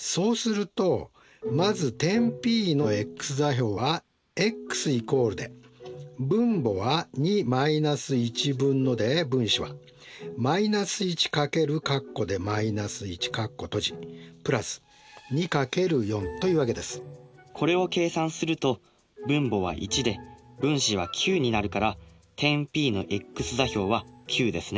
そうするとまず点Ｐのｘ座標はこれを計算すると分母は１で分子は９になるから点Ｐのｘ座標は９ですね。